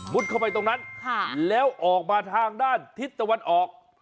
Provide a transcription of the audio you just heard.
เข้าไปตรงนั้นแล้วออกมาทางด้านทิศตะวันออก